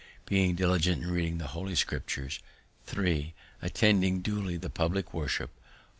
Being diligent in reading the holy Scriptures. 3. Attending duly the publick worship.